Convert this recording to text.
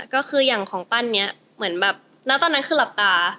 ก็คืออย่างของปั้นนี้เหมือนแบบณตอนนั้นคือหลับตา